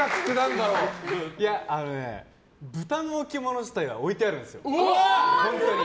あのね、豚の置物自体は置いてあるんですよ。